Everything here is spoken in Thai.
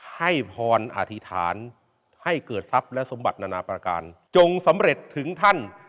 ให้พรอธิษฐานให้เกิดทรัพย์และสมบัตินานาประการจงสำเร็จถึงท่าน